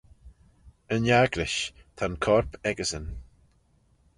Yn agglish, ta'n corp echeysyn.